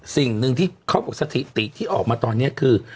สิ่งหนึ่งที่เขาบอกสถิติที่ออกมาตอนนี้คือ